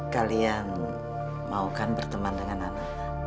kalian maukan berteman dengan anak